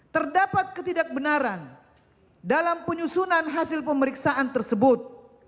terdapat ketidakbenaran dalam penyusunan hasil pemeriksaan tersebut